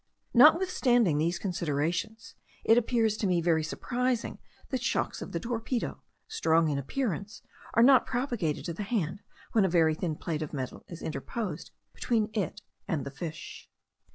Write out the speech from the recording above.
Notwithstanding these considerations, it appears to me very surprising that shocks of the torpedo, strong in appearance, are not propagated to the hand when a very thin plate of metal is interposed between it and the fish.